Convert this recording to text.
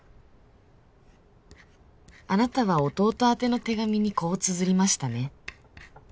あなたは弟宛ての手紙にこうつづりましたね